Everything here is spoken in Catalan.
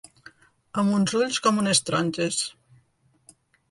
Amb uns ulls com unes taronges.